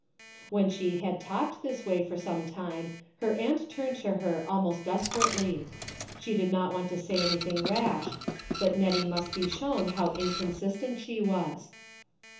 When she had talked this way for some time, her aunt turned to her almost desper ately. She did not want to say anything rash. But Hettie must be shown how incon sistent she was.